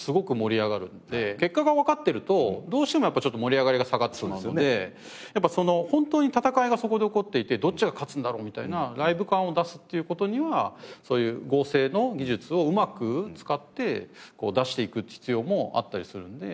結果がわかってるとどうしてもちょっと盛り上がりが下がってしまうのでやっぱその本当に戦いがそこで起こっていてどっちが勝つんだろうみたいなライブ感を出すっていう事にはそういう合成の技術をうまく使って出していく必要もあったりするので。